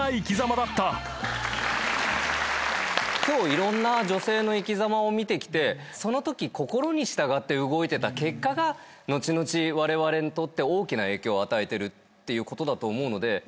今日いろんな女性の生き様を見てきてそのとき心に従って動いてた結果が後々われわれにとって大きな影響を与えてるっていうことだと思うので。